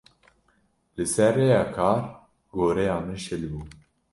Li ser rêya kar goreya min şil bû.